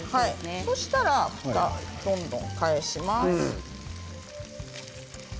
そうしたらどんどん返します。